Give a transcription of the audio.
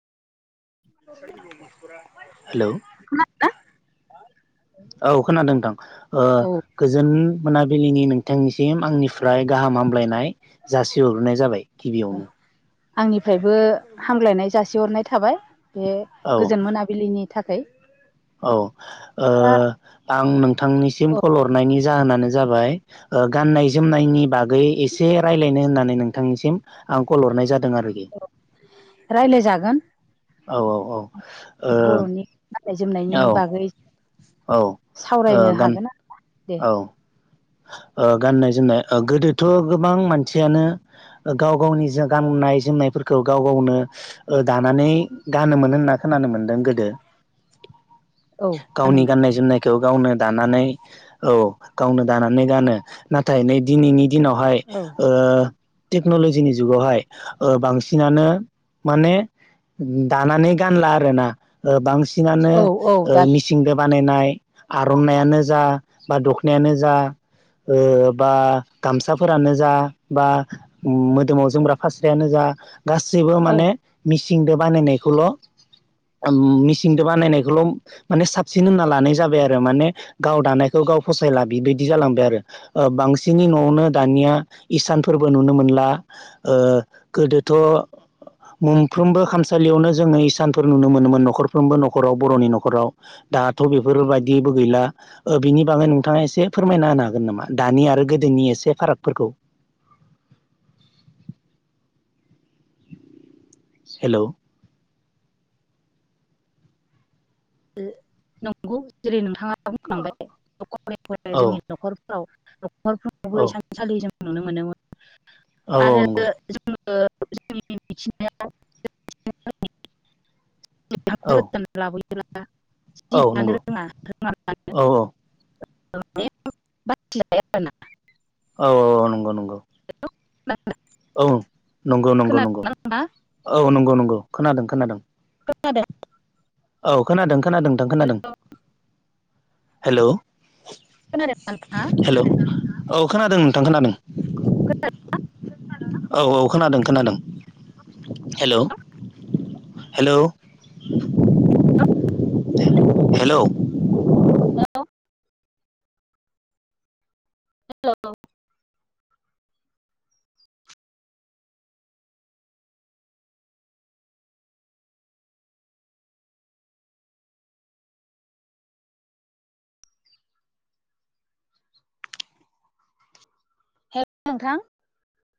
[unintelligible] खोना हेलौ दोंना? औ खोनादों नोंथां ओ औ गोजोन मोनाबिलिनि नों थांनिसिम आंनिफ्राय गाहाम हामलायनाय जासिहरग्रोनाय जाबाय गिबियावनो। आंनिफ्रायबो हाम्लायनाय जासिहरनाय थाबाय बे औ गोजोन मोनाबिलिनि थाखाय औ ओ दा आं नोंथांनिसिम औ कल हरनायनि ज‌ जाहोनानो जाबाय गाननाय जोमनायनि बागै एसे रायज्लायनो होननानै नोंथांनिसिम। आं कल हरनाय जादों आरोखि। गोन। औ औ औ ओ। गाननाय जोमनायनि बागै औ औ सावरायनो गान हागोन दे औ। औ। ओ गाननाय जोमनाय गोदोथ' गोबां मानसियानो गाव गावनि गाननाय जोमनाय फोरखौ गाव गावनो दानानै गानोमोन होनना खोनानो मोनदों गोदो। औ गावनि मानोमोन गाननाय जोमनायखौ गावनो दानानै औ गावनो दानानै गानो नाथाय नै दिनैनि दिनावहाय औ ओ। टेक्न'लजिनि जुगावहाय बांसिनानो माने दानानै गानला आरोना बांसिन। ओ बांसिनानो औ औ दा मिसिंबो बानायनाय आर'नायइानो जा बा दखनायानो जा। ओ बा गामसाफोरानो जा बा मोदोमाव जोमग्रा फास्रायानो जा गासैबो औ माने मिसिंदो बानायनायखौल' उम मिसिंदो बानायनायखौल' माने साबसिन होनना लानाय जाबाय आरो माने गाव दानायखौ गाव फसायला। बेबायदि जालांबाय आरो बांसिननि न'आवनो दानिया इसानफोरबो नुनो मोनला। ओ गोदोथ' मोनफ्रोमबो खामसालियावनो जोङो इसानफोर नुनो मोनोमोन न'खरफ्रोमबो न'खराव बर'नि न'खराव। दाथ' बेफोरबायदिबो गैला बिनि बागै नोंथाङा एस से फोरमायना होनो हागोन नामा दानि आरो गोदोनि एसे फारागफोरखौ। [inaudible] हेलौ। नंगौ जेरै नोंथाङा बुंलांबाय औ जोंनि न'खरफ्राव नखरफ्रावबो औ इसानसालि जों नुनो मोनोमोन औ औ आरो नंगौ जों [inaudible] औ [inaudible] जि औ नंगौ थानो रोङा औ औ रोङानो। बाथोन [inaudible] औ औ औ नंगौ नंगौ। खोनादोंना औ नंगौ नंगौ नंगौ नोंथाङा? औ नंगौ नंगौ खोनादों खोनादों। खोनादों। औ खोनादों खोनादों नोंथां खोनादों। हेल' खोनादोंना नोंथाङा? हेल'। औ खोनादों नोंथां खोनादों। खोनादों ना? औ औ खोनादों खोनादों हेलौ। हेल' हेल'। हेल'। हेल' नोंथां।